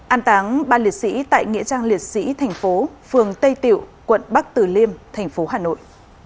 an tán ba liệt sĩ tại nghĩa trang liệt sĩ tp phường tây tiểu quận bắc từ liêm tp hà nội